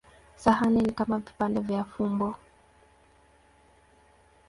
Sahani ni kama vipande vya fumbo.